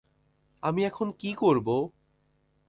আমি এখন কী করব?